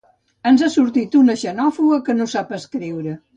Ens ha sortit una xenòfoba que no sap escriure.